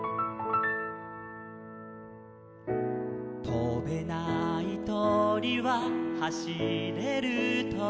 「とべないとりははしれるとり」